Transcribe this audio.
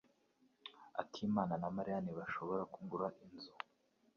Akimana na Mariya ntibashobora kugura inzu.